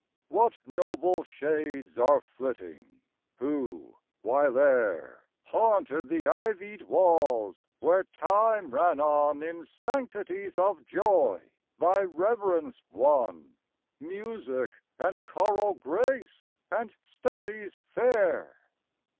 What noble shades are flitting, who while ere Haunted the ivy'd walls, where time ran on In sanctities of joy by reverence won, Music and choral grace and studies fair!